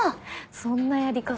そんなやり方。